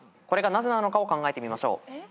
これがなぜなのかを考えましょう。